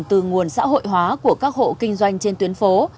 từ nguồn xã hội hóa của các hộ kinh doanh trên tuyến phố